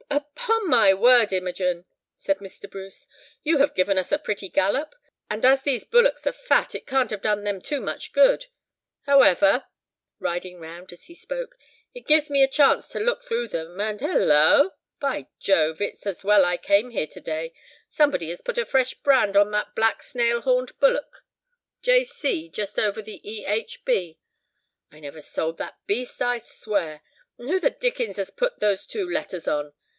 "Upon my word, Imogen!" said Mr. Bruce, "you have given us a pretty gallop, and as these bullocks are fat, it can't have done them much good. However," riding round as he spoke, "it gives me a chance to look through them, and, Hulloa! By Jove! it's as well I came here to day, somebody has put a fresh brand on that black snail horned bullock, J. C. just over the E. H. B.; I never sold that beast, I swear! And who the dickens has put those two letters on?